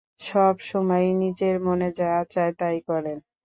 সবসময়ই নিজের মনে যা চায় তাই করেন।